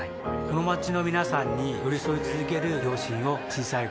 この街の皆さんに寄り添い続ける両親を小さい頃から見ていました